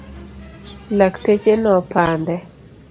Lakteche nopande.